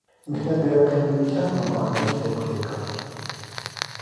Ինքնագրաքննության անպարկեշտ դեպքեր կան։